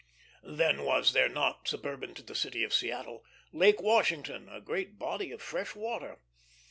Then was there not, suburban to the city of Seattle, Lake Washington, a great body of fresh water?